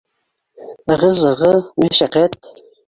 Ығы-зығы, мәшәҡәт...